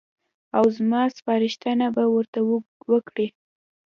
او زما سپارښتنه به ورته وکړي.